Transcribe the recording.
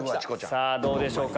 さぁどうでしょうか？